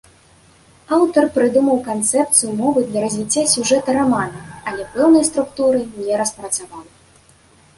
Аўтар прыдумаў канцэпцыю мовы для развіцця сюжэта рамана, але пэўнай структуры не распрацаваў.